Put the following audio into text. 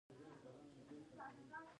د ریګ دښتې د افغانستان د ملي هویت نښه ده.